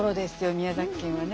宮崎県はね。